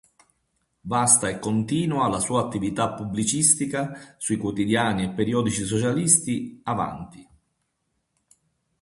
Vasta e continua la sua attività pubblicistica sui quotidiani e periodici socialisti "Avanti!